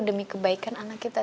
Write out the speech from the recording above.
demi kebaikan anak kita